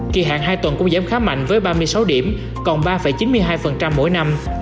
kỳ hạn hai tuần cũng giảm khá mạnh với ba mươi sáu điểm còn ba chín mươi hai mỗi năm